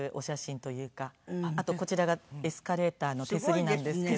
あとこちらがエスカレーターの手すりなんですけど。